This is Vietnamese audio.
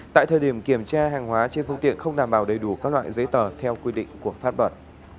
tại thời điểm kiểm tra hàng hóa trên phương tiện không đảm bảo đầy đủ các loại giấy tờ theo quy định của pháp luật